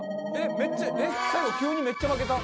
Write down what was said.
めっちゃ最後急にめっちゃ負けた。